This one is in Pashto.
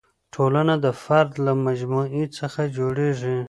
ټولنه د فرد له مجموعې څخه جوړېږي.